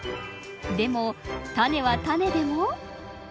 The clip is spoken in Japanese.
でも種は種でも。